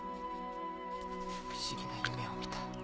不思議な夢を見た。